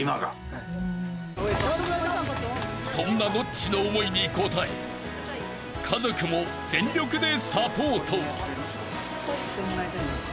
［そんなノッチの思いに応え家族も全力でサポート］